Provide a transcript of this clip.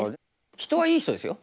人はいい人ですよ。